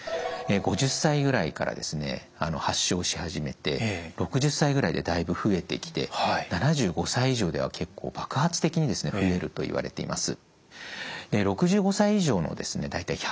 ５０歳ぐらいから発症し始めて６０歳ぐらいでだいぶ増えてきて７５歳以上では結構爆発的に増えるといわれています。